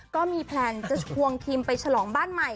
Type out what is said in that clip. แพลนจะชวนทีมไปฉลองบ้านใหม่